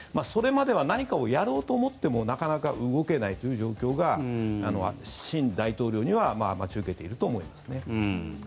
それまでは何かをやろうと思ってもなかなか動けないということが新大統領には待ち受けていると思います。